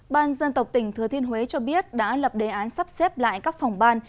ban dân tộc tỉnh thừa thiên huế cho biết đã lập đề án sắp xếp lại các phòng ban